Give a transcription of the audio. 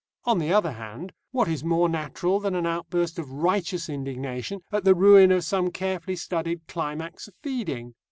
On the other hand, what is more natural than an outburst of righteous indignation at the ruin of some carefully studied climax of feeding?